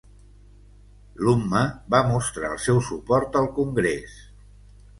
L'Umma va mostrar el seu suport al Congrés.